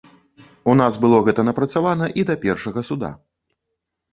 У нас было гэта напрацавана і да першага суда.